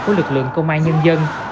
của lực lượng công an nhân dân